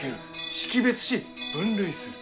識別し分類する。